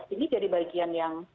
ini jadi bagian yang